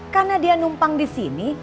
karena dia numpang disini